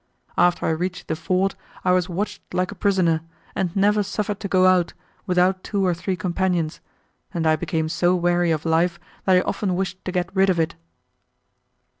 After I reached the fort I was watched like a prisoner, and never suffered to go out, without two or three companions, and I became so weary of life, that I often wished to get rid of it."